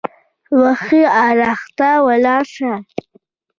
وښي اړخ ته ولاړ شه !